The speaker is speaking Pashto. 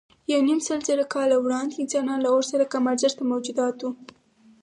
یونیمسلزره کاله وړاندې انسانان له اور سره کم ارزښته موجودات وو.